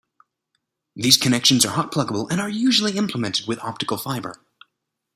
These connections are hot-pluggable and are usually implemented with optical fiber.